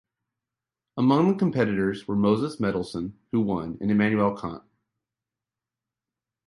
Among the competitors were Moses Mendelssohn, who won, and Immanuel Kant.